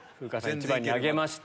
一番に挙げました。